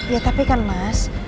ya tapi kan mas